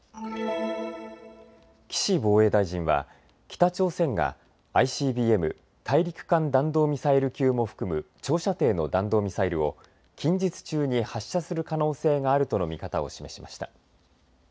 岸防衛大臣は北朝鮮がＩＣＢＭ・大陸間弾道ミサイル級も含む長射程の弾道ミサイルを近日中に発射する可能性があるとの見方を示しました。